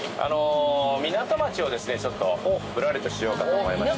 港町をですねちょっとぶらりとしようかと思いまして。